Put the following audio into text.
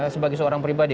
sebagai seorang pribadi